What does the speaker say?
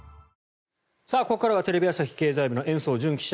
ここからはテレビ朝日経済部の延増惇記者